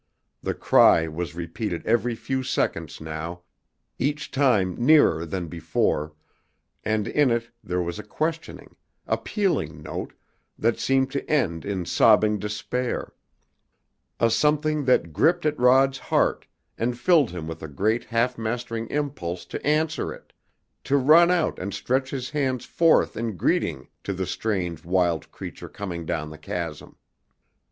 The cry was repeated every few seconds now, each time nearer than before, and in it there was a questioning, appealing note that seemed to end in sobbing despair, a something that gripped at Rod's heart and filled him with a great half mastering impulse to answer it, to run out and stretch his hands forth in greeting to the strange, wild creature coming down the chasm!